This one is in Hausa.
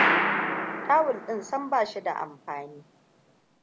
Tawul din sam ba shi da amfani.